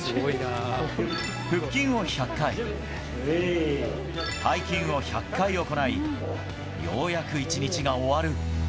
腹筋を１００回、背筋を１００回行い、ようやく一日が終わる。